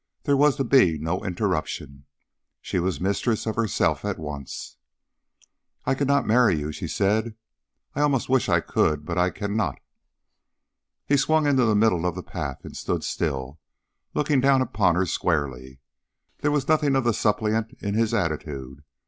There was to be no interruption. She was mistress of herself at once. "I cannot marry you," she said. "I almost wish I could, but I cannot." He swung into the middle of the path and stood still, looking down upon her squarely. There was nothing of the suppliant in his attitude.